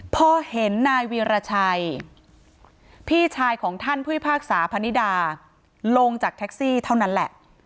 พอเห็นนายวีรชัยพี่ชายของท่านผู้พิพากษาพนิดาลงจากแท็กซี่เท่านั้นแหละ